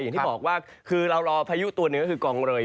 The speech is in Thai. อย่างที่บอกว่าคือเรารอพายุตัวหนึ่งก็คือกองเลย